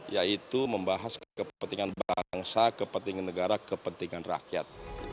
yaitu membahas kepentingan bangsa kepentingan negara kepentingan rakyat